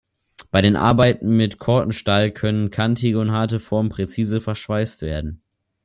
Bei den Arbeiten mit Cortenstahl können kantige und harte Formen präzise verschweißt werden.